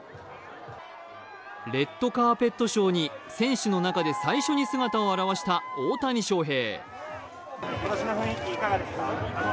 レッドカーペットショーに選手の中で最初に姿を現した大谷翔平。